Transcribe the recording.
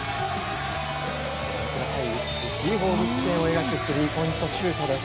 美しい放物線を描くスリーポイントシュートです。